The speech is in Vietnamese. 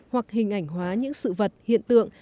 hoặc hình ảnh hóa những sự vật hiện tượng